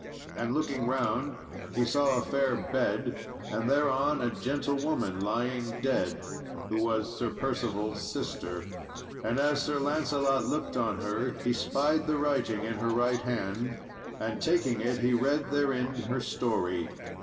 And looking round he saw a fair bed, and thereon a gentlewoman lying dead, who was Sir Percival's sister. And as Sir Lancelot looked on her he spied the writing in her right hand, and, taking it, he read therein her story.